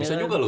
bisa juga loh